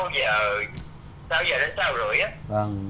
sáu giờ đến sáu rưỡi